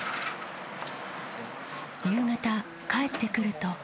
夕方、帰ってくると。